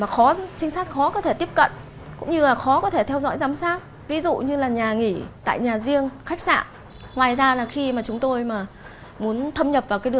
thì nay bọn chúng chọn nhà nghỉ khách sạn làm địa điểm tập kết